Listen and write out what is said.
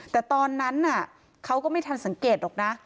แต่ตอนนั้นเขาก็ไม่ทันสังเกตหรอกนะ